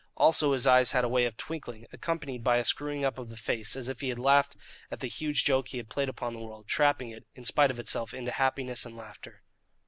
Also his eyes had a way of twinkling, accompanied by a screwing up of the face, as if he laughed at the huge joke he had played upon the world, trapping it, in spite of itself, into happiness and laughter.